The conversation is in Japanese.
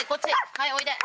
はいおいで！